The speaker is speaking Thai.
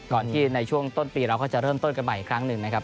ที่ในช่วงต้นปีเราก็จะเริ่มต้นกันใหม่อีกครั้งหนึ่งนะครับ